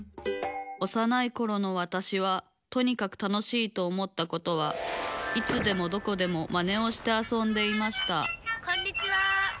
おさないころのわたしはとにかく楽しいと思ったことはいつでもどこでもマネをしてあそんでいましたこんにちは。